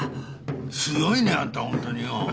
強いねあんたホントによ。